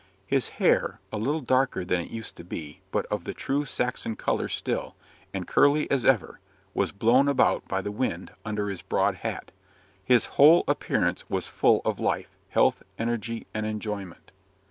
His hair a little darker than it used to be, but of the true Saxon colour still, and curly as ever was blown about by the wind, under his broad hat. His whole appearance was full of life, health, energy, and enjoyment.